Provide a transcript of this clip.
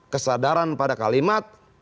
kesadaran pada kalimat